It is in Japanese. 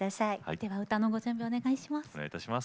では歌のご準備お願いします。